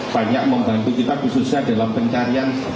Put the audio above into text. banyak membantu kita khususnya dalam pencarian